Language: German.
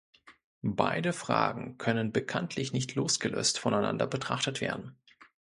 Beide Fragen können bekanntlich nicht losgelöst voneinander betrachtet werden.